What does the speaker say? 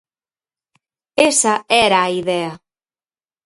Esa era a idea.